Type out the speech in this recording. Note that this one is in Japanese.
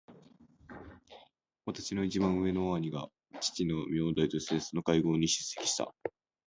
私の一番上の兄が父の名代としてその会合に出席した。